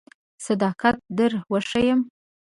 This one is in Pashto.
صداقت در وښیم.